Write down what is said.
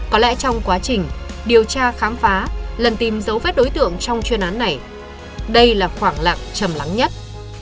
có lẽ trong quá trình điều tra khám phá lần tìm dấu vết đối tượng trong chuyên án này đây là khoảng lặng chầm lắng nhất